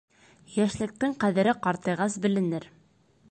Йәшлектең ҡәҙере ҡартайғас беленер.